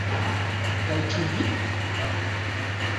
Kaj ĉu vi?